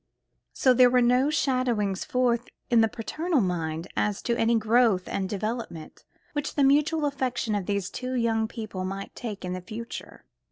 So there were no shadowings forth in the paternal mind as to any growth and development which the mutual affection of these two young people might take in the future.